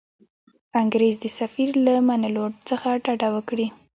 انګرېز د سفیر له منلو څخه ډډه وکړي.